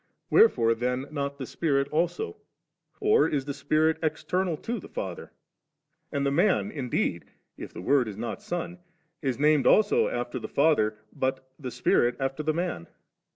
Wherefore then not the Spirit also ? or is the Spirit external to the Father ? and the Man indeed (if the Word is not Son) is named after the Father, but the Spirit after the Man